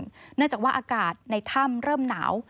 เนื่องจากว่าอากาศในถ้ำเริ่มหนาว